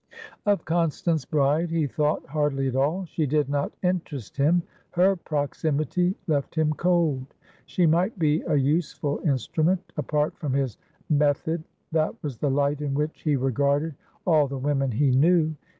Of Constance Bride he thought hardly at all. She did not interest him; her proximity left him cold. She might be a useful instrument; apart from his "method," that was the light in which he regarded all the women he knew.